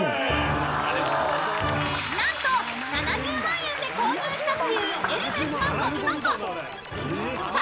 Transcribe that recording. ［何と７０万円で購入したというエルメスのごみ箱］